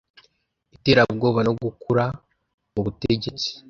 iterabwoba no gukura mu butegetsi